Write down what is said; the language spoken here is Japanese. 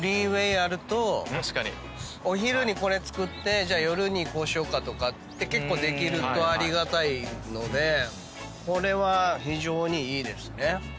あるとお昼にこれ作って夜にこうしようかとかって結構できるとありがたいのでこれは非常にいいですね。